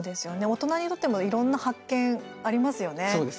大人にとってもいろんな発見ありますよね。